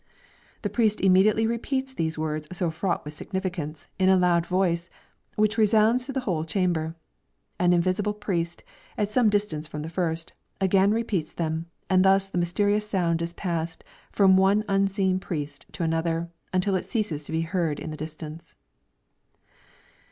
The priest immediately repeats these words so fraught with significance, in a loud voice, which resounds through the whole chamber. An invisible priest, at some distance from the first, again repeats them, and thus the mysterious sound is passed from one unseen priest to another, until it ceases to be heard in the distance.